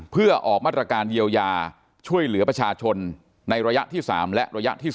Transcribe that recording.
เพื่อออกมาตรการเยียวยาช่วยเหลือประชาชนในระยะที่๓และระยะที่๒